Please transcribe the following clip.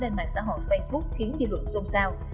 lên mạng xã hội facebook khiến dư luận xôn xao